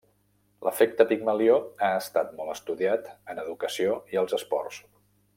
L'efecte Pigmalió ha estat molt estudiat en educació i els esports.